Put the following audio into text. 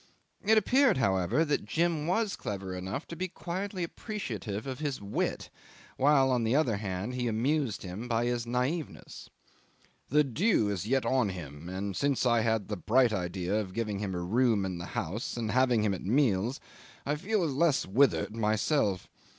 It appeared, however, that Jim was clever enough to be quietly appreciative of his wit, while, on the other hand, he amused him by his naiveness. "The dew is yet on him, and since I had the bright idea of giving him a room in the house and having him at meals I feel less withered myself.